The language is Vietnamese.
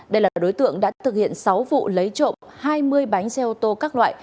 đây là đối tượng đã thực hiện sáu vụ lấy trộm hai mươi bánh xe ô tô các loại